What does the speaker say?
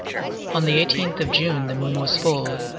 On the 18th of June the moon was full.